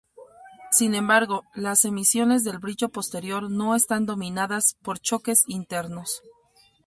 Sin embargo, las emisiones del brillo posterior no están dominadas por choques internos.